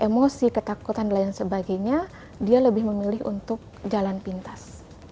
emosi ketakutan dan lain sebagainya dia lebih memilih untuk jalan pintas